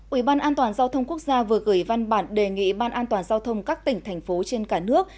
ủy ban an toàn giao thông quốc gia vừa gửi văn bản đề nghị ban an toàn giao thông các tỉnh thành phố trên cả nước